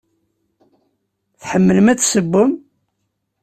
Tḥemmlem ad tessewwem?